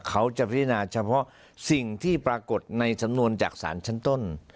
เขาจะพิจารณาเฉพาะสิ่งที่ปรากฏในสำนวนจากศาลชั้นต้น